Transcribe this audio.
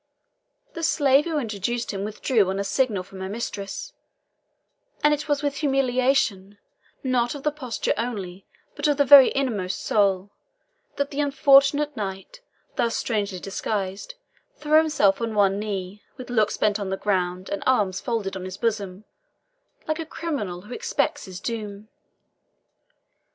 The slave who introduced him withdrew on a signal from her mistress, and it was with humiliation, not of the posture only but of the very inmost soul, that the unfortunate knight, thus strangely disguised, threw himself on one knee, with looks bent on the ground and arms folded on his bosom, like a criminal who expects his doom.